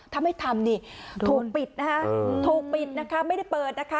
ถ้าไม่ทำนี่ถูกปิดนะคะถูกปิดนะคะไม่ได้เปิดนะคะ